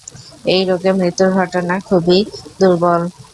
এই রোগে মৃত্যুর ঘটনা খুবই দুর্লভ।